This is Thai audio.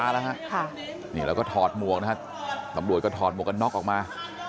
เราก็ถอดมวกนะให้อำรวจถอดหมวกกันน๊อกออกมา